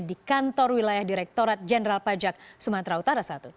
di kantor wilayah direktorat jenderal pajak sumatera utara i